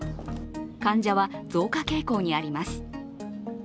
患者は増加傾向にあります。